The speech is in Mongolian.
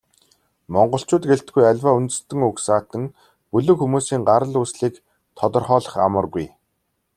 Монголчууд гэлтгүй, аливаа үндэстэн угсаатан, бүлэг хүмүүсийн гарал үүслийг тодорхойлох амаргүй.